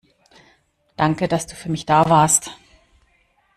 Danke, dass du für mich da warst.